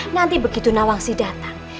nanti begitu nawangsi datang